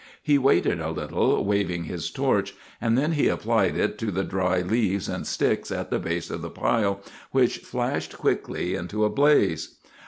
He waited a little, waving his torch, and then he applied it to the dry leaves and sticks at the base of the pile, which flashed quickly into a blaze.